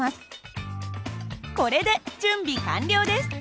これで準備完了です。